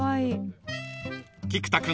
［菊田君